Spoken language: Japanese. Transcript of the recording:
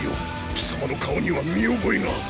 貴様の顔には見覚えが。